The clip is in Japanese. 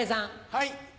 はい。